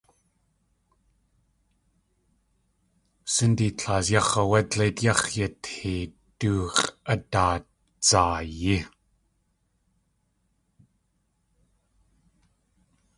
Sindi Claus yáx̲ áwé dleit yáx̲ yatee du x̲ʼadaadzaayí.